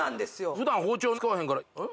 普段包丁使わへんからうん？